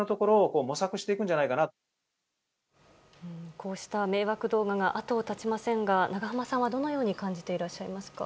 こうした迷惑動画が後を絶ちませんが長濱さんはどのように感じていらっしゃいますか？